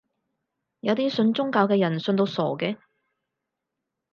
有啲信宗教嘅人信到傻嘅